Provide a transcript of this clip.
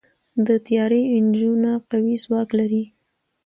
د طیارې انجنونه قوي ځواک لري.